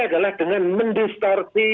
adalah dengan mendistorti